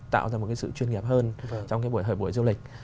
tạo ra một cái sự chuyên nghiệp hơn trong cái thời buổi du lịch